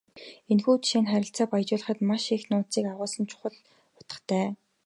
Энэхүү жишээ нь харилцааг баяжуулахад маш их нууцыг агуулсан чухал утгатай.